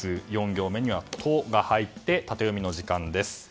４行目には「ト」が入ってタテヨミの時間です。